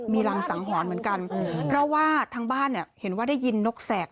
มีรังสังหรณ์เหมือนกันเพราะว่าทางบ้านเนี่ยเห็นว่าได้ยินนกแสก